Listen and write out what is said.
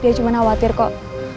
dia cuman khawatir kok